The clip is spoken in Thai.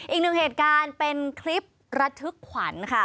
อีกหนึ่งเหตุการณ์เป็นคลิประทึกขวัญค่ะ